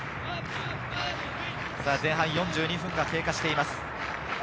前半４２分が経過しています。